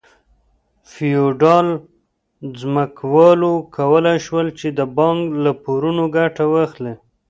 فیوډال ځمکوالو کولای شول چې د بانک له پورونو ګټه واخلي.